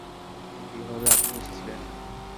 ঠিক যেভাবে আপনি এসেছিলেন।